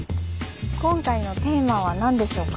今回のテーマは何でしょうか。